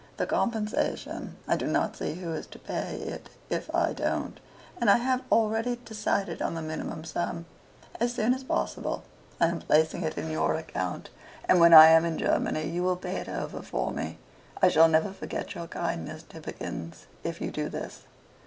The compensation I do not see who is to pay it if I don't, and I have already decided on the minimum sum. As soon as possible I am placing it to your account, and when I am in Germany you will pay it over for me. I shall never forget your kindness, Tibbikins, if you do this."